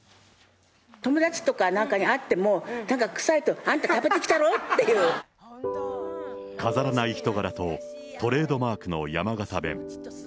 友達とかなんかに会っても、なんか、臭いと、飾らない人柄と、トレードマークの山形弁。